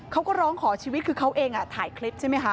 เขาก็ร้องขอชีวิตคือเขาเองถ่ายคลิปใช่ไหมคะ